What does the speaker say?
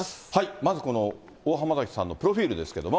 まずこの、大濱崎さんのプロフィールですけれども。